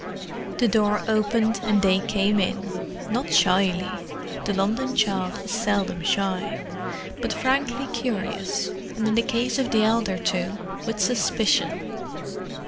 The door opened and they came in; not shyly—the London child is seldom shy—but frankly curious, and in the case of the elder two, with suspicion.